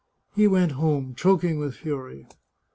He went home, choking with fury.